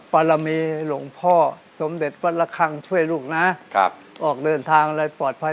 ปรมีหลวงพ่อสมเด็จวัตรละครังช่วยลูกนะครับออกเดินทางแล้วปลอดภัย